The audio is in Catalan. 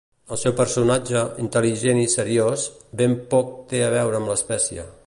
El seu personatge, intel·ligent i seriós, ben poc té a veure amb l'espècie.